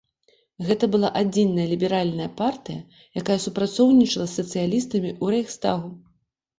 Гэта была адзіная ліберальная партыя, якая супрацоўнічала з сацыялістамі ў рэйхстагу.